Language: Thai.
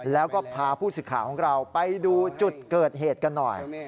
แล้วก็พาผู้สิทธิ์ข่าวของเราไปดูจุดเกิดเหตุกันหน่อย